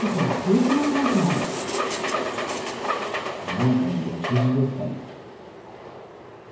何かの略字ですかね？